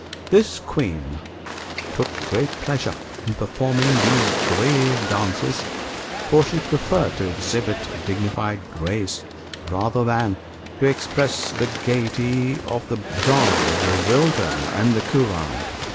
This Queen took great pleasure in performing these grave dances; for she preferred to exhibit dignified grace rather than to express the gayety of the Branle, the Volta, and the Courante.